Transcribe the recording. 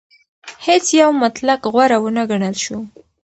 هیڅ یو مطلق غوره ونه ګڼل شو.